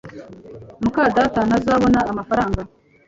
muka data ntazabona amafaranga